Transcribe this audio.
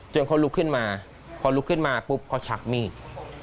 เขาลุกขึ้นมาพอลุกขึ้นมาปุ๊บเขาชักมีด